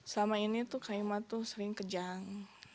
selama ini kaima sering kejang